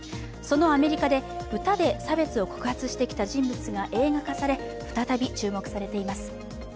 そのアメリカで歌で差別を告発してきた人物が映画化され再び注目されています。